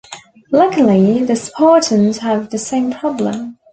Luckily, the Spartans have the same problem.